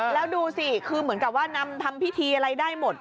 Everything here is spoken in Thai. แล้วดูสิคือเหมือนกับว่านำทำพิธีอะไรได้หมด